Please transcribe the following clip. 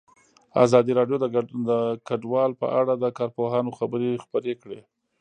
ازادي راډیو د کډوال په اړه د کارپوهانو خبرې خپرې کړي.